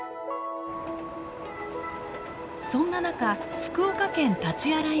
そんな中福岡県大刀洗町